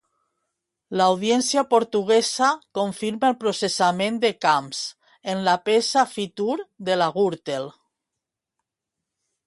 L'audiència portuguesa confirma el processament de Camps en la peça Fitur de la Gürtel.